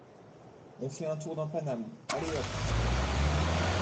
On fait un tour dans Paname, allez hop !